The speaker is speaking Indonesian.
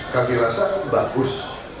kami rasa bagus